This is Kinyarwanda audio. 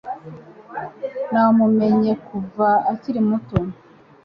Namumenye kuva akiri muto.